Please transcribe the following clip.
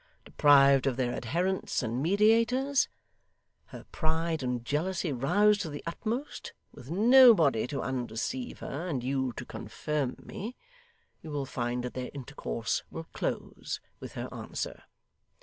Deprived of their adherents and mediators; her pride and jealousy roused to the utmost; with nobody to undeceive her, and you to confirm me; you will find that their intercourse will close with her answer.